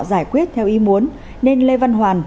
giải quyết theo ý muốn nên lê văn hoàn